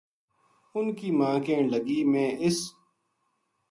اُنھ کی ماں کہن لگی ’ میں اس